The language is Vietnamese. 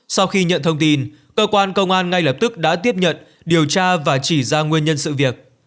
sau khi nhận thông tin cơ quan công an ngay lập tức đã tiếp nhận điều tra và chỉ ra nguyên nhân sự việc